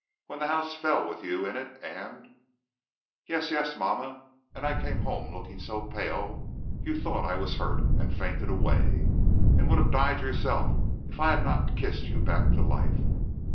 When the house fell with you in it, and " "Yes, yes, mamma, and I came home looking so pale you thought I was hurt, and fainted away, and would have died yourself if I had not kissed you back to life.